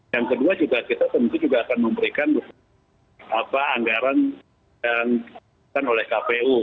yang kedua juga kita tentu juga akan memberikan anggaran yang diberikan oleh kpu